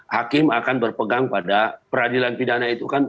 hakim akan berpegang pada peradilan pidana itu kan